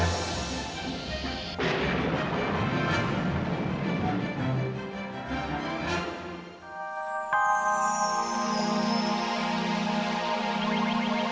ayo mengapas spendance nya